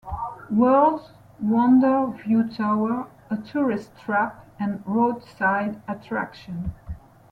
World's Wonder View Tower, a tourist trap and roadside attraction.